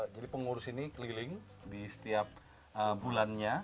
jadi pengurus ini keliling di setiap bulannya